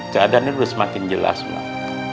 keadaannya udah semakin jelas mak